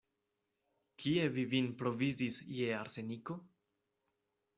Kie vi vin provizis je arseniko?